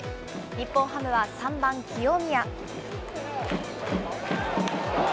日本ハムは３番清宮。